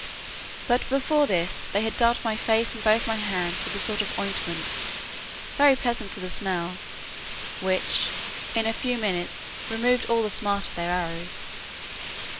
But before this, they had daubed my face and both my hands with a sort of ointment, very pleasant to the smell, which, in a few minutes, removed all the smart of their arrows.